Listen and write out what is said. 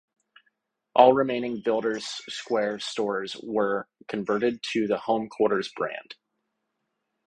All remaining Builders Square stores were converted to the Home Quarters brand.